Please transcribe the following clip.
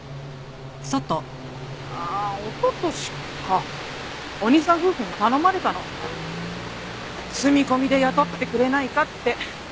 あっおととしかお兄さん夫婦に頼まれたの住み込みで雇ってくれないかって。